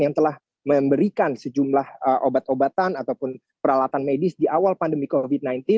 yang telah memberikan sejumlah obat obatan ataupun peralatan medis di awal pandemi covid sembilan belas